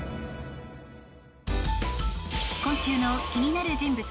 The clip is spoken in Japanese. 今週の気になる人物